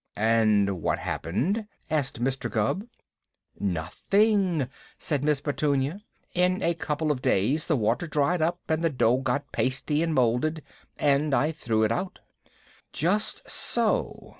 "And what happened?" asked Mr. Gubb. "Nothing," said Miss Petunia. "In a couple of days the water dried up and the dough got pasty and moulded, and I threw it out." "Just so!"